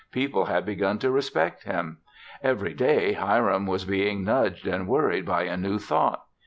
People had begun to respect him. Every day, Hiram was being nudged and worried by a new thought.